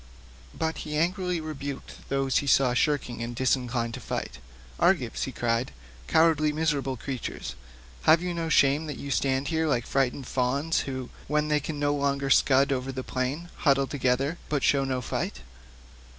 But he angrily rebuked those whom he saw shirking and disinclined to fight. "Argives," he cried, "cowardly miserable creatures, have you no shame to stand here like frightened fawns who, when they can no longer scud over the plain, huddle together, but show no fight?